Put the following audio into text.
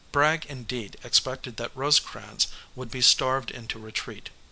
Bragg indeed expected that Rosecrans would be starved into retreat.